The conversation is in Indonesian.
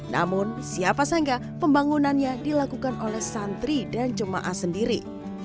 namun siapa sangka pembangunannya dilakukan oleh santri dan jemaah sendiri